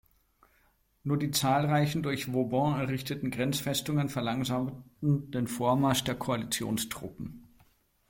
Nur die zahlreichen durch Vauban errichteten Grenzfestungen verlangsamten den Vormarsch der Koalitionstruppen.